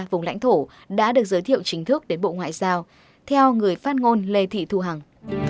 vùng lãnh thổ đã được giới thiệu chính thức đến bộ ngoại giao theo người phát ngôn lê thị thu hằng